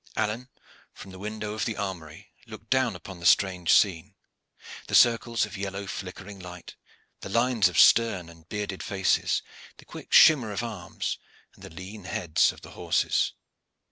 Alleyne, from the window of the armory, looked down upon the strange scene the circles of yellow flickering light, the lines of stern and bearded faces, the quick shimmer of arms, and the lean heads of the horses.